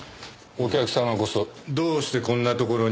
お客様こそどうしてこんなところに？